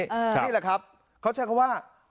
นี่แหละครับเขาใช้คำว่า